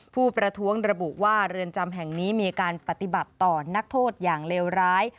ผู้ประท้วงระบุว่าเรือนจำแห่งนี้มีการปฏิบัติต่อนักโทษอย่างเลวร้าย